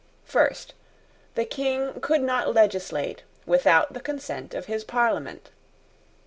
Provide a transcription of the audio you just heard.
First, the King could not legislate without the consent of his Parliament.